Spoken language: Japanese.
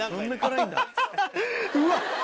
うわっ！